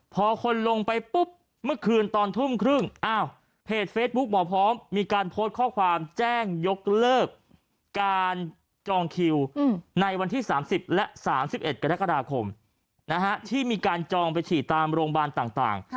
พอคนลงไปปุ๊บเมื่อคืนตอนทุ่มครึ่งอ้าวเพจเฟซบุ๊คหมอพร้อมมีการโพสต์ข้อความแจ้งยกเลิกการจองคิวในวันที่๓๐และ๓๑กรกฎาคมที่มีการจองไปฉีดตามโรงพยาบาลต่าง